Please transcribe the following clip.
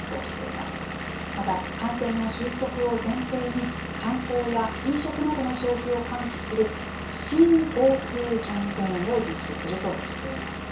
また、感染の収束を前提に、観光や飲食などの消費を喚起する、新・ＧｏＴｏキャンペーンを実施するとしています。